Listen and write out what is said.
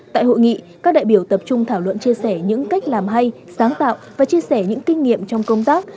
tại hội nghị các đại biểu tập trung thảo luận chia sẻ những cách làm hay sáng tạo và chia sẻ những kinh nghiệm trong công tác